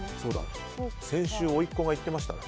先週、甥っ子が行ってましたね。